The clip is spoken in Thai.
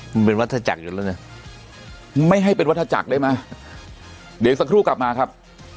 มันเป็นวัฒนาจักรอยู่แล้วนะไม่ให้เป็นวัฒจักรได้ไหมเดี๋ยวสักครู่กลับมาครับ